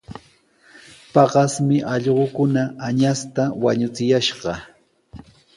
Paqasmi allquukuna añasta wañuchuyashqa.